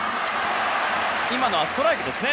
今のはストライクですね。